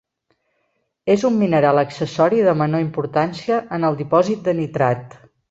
És un mineral accessori de menor importància en el dipòsit de nitrat.